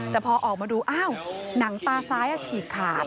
แต่พอออกมาดูอ้าวหนังตาซ้ายฉีกขาด